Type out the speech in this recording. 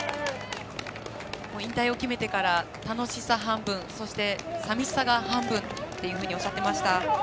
引退を決めてから楽しさ半分そして、さみしさが半分というふうにおっしゃっていました。